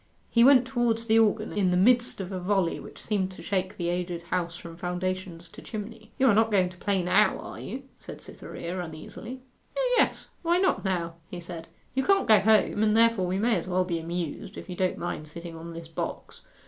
He went towards the organ, in the midst of a volley which seemed to shake the aged house from foundations to chimney. 'You are not going to play now, are you?' said Cytherea uneasily. 'O yes. Why not now?' he said. 'You can't go home, and therefore we may as well be amused, if you don't mind sitting on this box.